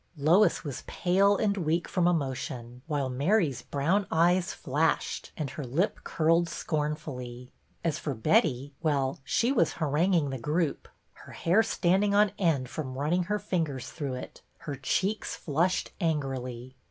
Lois was pale and weak from emotion, while Mary's brown eyes flashed and her lip curled scornfully. As for Betty, well, she was haranguing the group, her hair standing on end from running her fingers through it, her cheeks flushed angrily.